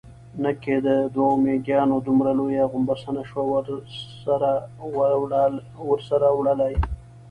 نه کېده، دوو مېږيانو دومره لويه غومبسه نه شوای ورسره وړلای.